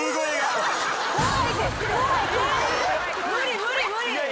無理無理無理。